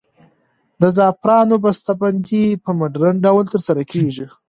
د زعفرانو بسته بندي په مډرن ډول ترسره کیږي.